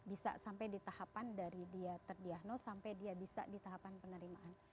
bisa sampai di tahapan dari dia terdiagnos sampai dia bisa di tahapan penerimaan